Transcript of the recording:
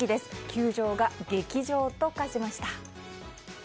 球場が劇場と化しました。